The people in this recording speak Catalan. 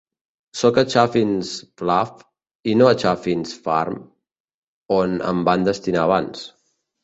Sóc a Chaffin's Bluff i no a Chaffin's Farm, on em van destinar abans.